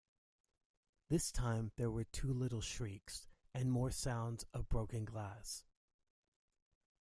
This time there were two little shrieks, and more sounds of broken glass.